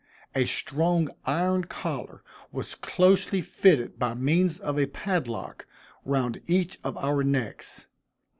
A strong iron collar was closely fitted by means of a padlock round each of our necks.